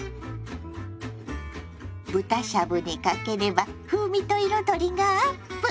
豚しゃぶにかければ風味と彩りがアップ。